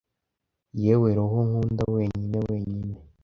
yewe roho nkunda wenyine wenyine